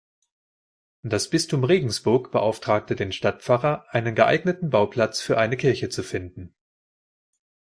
Das Bistum Regensburg beauftragte den Stadtpfarrer einen geeigneten Bauplatz für eine Kirche zu finden.